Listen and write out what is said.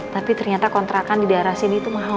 tapi ternyata kontrakan di daerah sini tuh mahal mahal